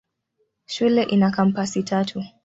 Shule ina kampasi tatu.